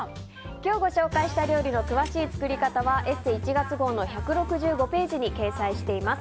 今日ご紹介した料理の詳しい作り方は「ＥＳＳＥ」１月号の１６５ページに掲載しています。